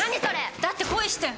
だって恋してん！